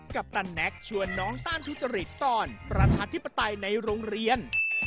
ปันแน็กชวนน้องต้านทุจริตตอนประชาธิปไตยในโรงเรียน